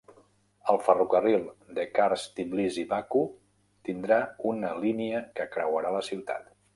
El ferrocarril The Kars-Tbilisi-Baku tindrà una línia que creuarà la ciutat.